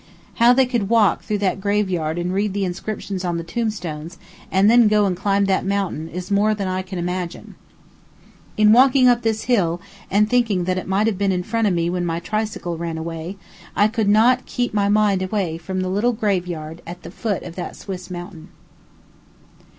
How they could walk through that graveyard and read the inscriptions on the tombstones and then go and climb that mountain is more than I can imagine. In walking up this hill, and thinking that it might have been in front of me when my tricycle ran away, I could not keep my mind away from the little graveyard at the foot of the Swiss mountain.